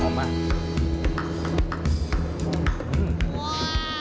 หอมไหม